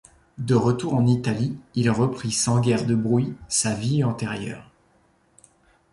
De retour en Italie, il reprit sans guère de bruit sa vie antérieure.